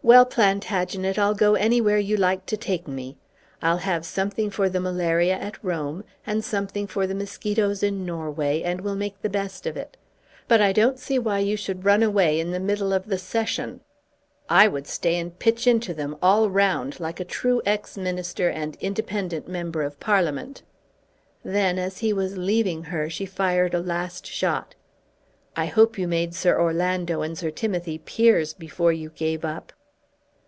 Well, Plantagenet; I'll go anywhere you like to take me. I'll have something for the malaria at Rome, and something for the mosquitoes in Norway, and will make the best of it. But I don't see why you should run away in the middle of the Session. I would stay and pitch into them, all round, like a true ex minister and independent member of Parliament." Then as he was leaving her she fired a last shot. "I hope you made Sir Orlando and Sir Timothy peers before you gave up."